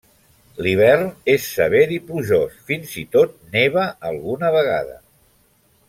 L'hivern és sever i plujós, fins i tot neva alguna vegada.